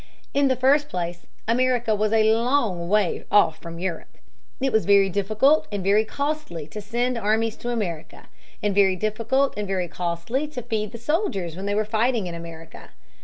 In the first place, America was a long way off from Europe. It was very difficult and very costly to send armies to America, and very difficult and very costly to feed the soldiers when they were fighting in America.